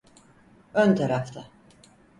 Ön tarafta.